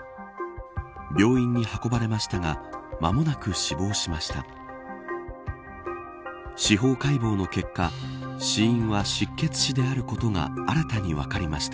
病院に運ばれましたが間もなく死亡しました。